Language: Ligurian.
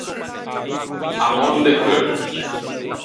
À mòddo de cheu.